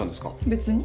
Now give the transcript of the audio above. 別に。